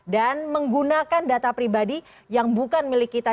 dan menggunakan data pribadi yang bukan milik kita